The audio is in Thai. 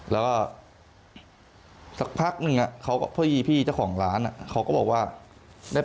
แล้วสักพักนึงเขาก็พี่เจ้าของร้านเขาก็บอกว่า